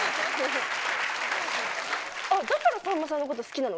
だからさんまさんのこと好きなのか。